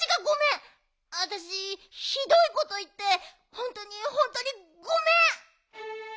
あたしひどいこといってほんとにほんとにごめん！